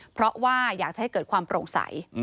เพราะว่าอยากจะให้เกิดความโปร่งใส